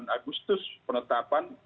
sembilan agustus penetapan